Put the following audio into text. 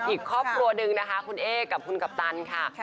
อีกครอบครัวหนึ่งนะคะคุณเอ๊กับคุณกัปตันค่ะ